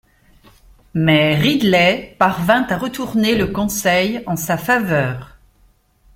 Mais Ridley parvient à retourner le Conseil en sa faveur.